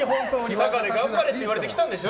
佐賀で頑張れって言われて来たんでしょ。